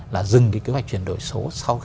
là dừng cái kế hoạch chuyển đổi số